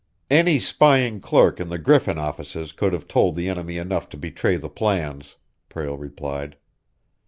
"Any spying clerk in the Griffin offices could have told the enemy enough to betray the plans," Prale replied.